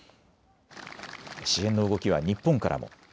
支援の動きは日本からも。